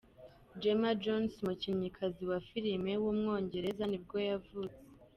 Gemma Jones, umukinnyikazi wa filime w’umwongereza nibwo yavutse.